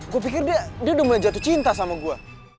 gue pikir dia udah mulai jatuh cinta sama gue